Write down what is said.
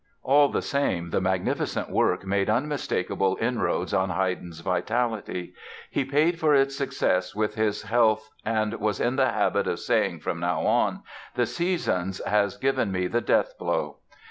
All the same, the magnificent work made unmistakable inroads on Haydn's vitality. He paid for its success with his health and was in the habit of saying, from now on, "'The Seasons' has given me the death blow!"